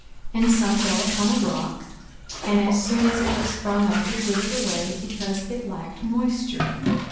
42:008:006 And some fell upon a rock; and as soon as it was sprung up, it withered away, because it lacked moisture.